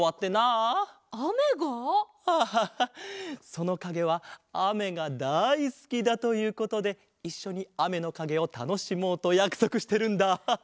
そのかげはあめがだいすきだということでいっしょにあめのかげをたのしもうとやくそくしてるんだアハハ。